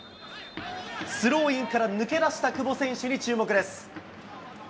スローインから抜け出した久保選手に注目です。